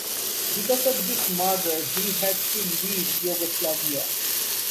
Because of this murder he had to leave Yugoslavia.